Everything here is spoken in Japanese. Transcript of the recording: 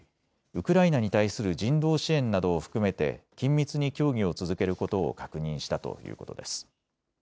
ウクライナに対する人道支援などを含めて緊密に協議を続けることを確認したということです。